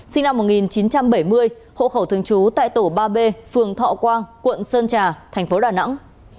sinh năm một nghìn chín trăm bảy mươi hộ khẩu thường trú tại tổ ba b phường thọ quang quận sơn trà thành phố đà nẵng